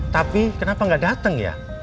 tapi kenapa gak dateng ya